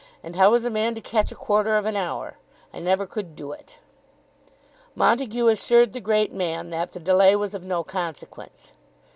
And how is a man to catch a quarter of an hour? I never could do it." Montague assured the great man that the delay was of no consequence.